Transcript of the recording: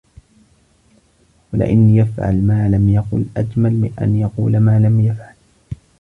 وَلَئِنْ يَفْعَلَ مَا لَمْ يَقُلْ أَجْمَلُ مِنْ أَنْ يَقُولَ مَا لَمْ يَفْعَلْ